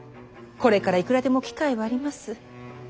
これからいくらでも機会はあります。